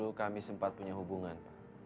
dulu kami sempat punya hubungan